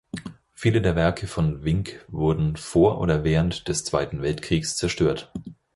Viele der Werke von Wink wurden vor oder während des Zweiten Weltkriegs zerstört.